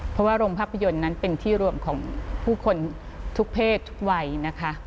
เพราะว่าโรงภาพยนตร์นั้นเป็นที่รวมของผู้คนทุกเพศทุกวัยนะคะ